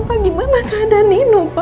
bagaimana keadaan nino bu